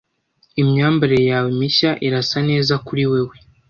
Imyambarire yawe mishya irasa neza kuri wewe.